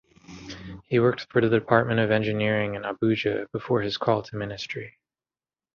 He worked for the Department of Engineering in Abuja before his call to ministry.